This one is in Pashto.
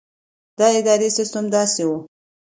د ادارې سسټم داسې وو.